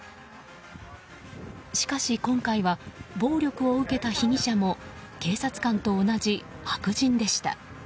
しかし今回は暴力を受けた被疑者も警察官と同じ白人でした。